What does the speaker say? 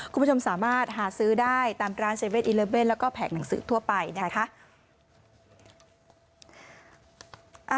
คุณผู้ชมสามารถหาซื้อได้ตามร้าน๗๑๑แล้วก็แผงหนังสือทั่วไปนะคะ